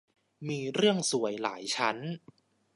มีเรื่องซวยหลายชั้น